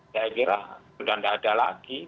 saya kira sudah tidak ada lagi